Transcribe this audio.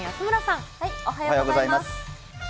おはようございます。